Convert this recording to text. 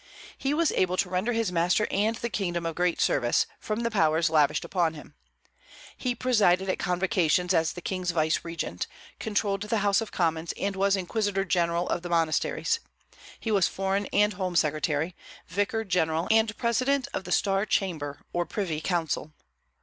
He was able to render his master and the kingdom a great service, from the powers lavished upon him. He presided at convocations as the King's vicegerent; controlled the House of Commons, and was inquisitor general of the monasteries; he was foreign and home secretary, vicar general, and president of the star chamber or privy council.